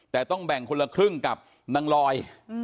แต่ต้องแบ่งคนละครึ่งกับนางลอย